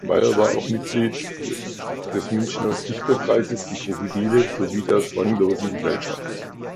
Meyr war auch Mitglied des Münchner Dichterkreises "Die Krokodile" sowie der "Zwanglosen Gesellschaft".